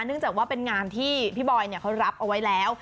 เนื่องจากว่าเป็นงานที่พี่บอยเขารับเอาไว้แล้ว